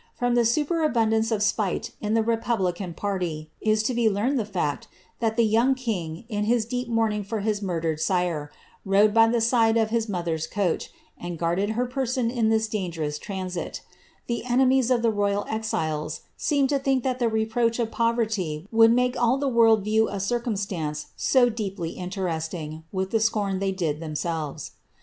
From the superabundance of ipite in the republican party is to be learned the fact that the young king, in liia deep mourning for his murdered sire, rode by the side of his OHither'a coach, and guarded her person in this dangerous transit The enemies of the royal exiles seemed to think that the reproach of poverty would make all the world view a circumstance so deeply inte resting with the scorn they did themselves.'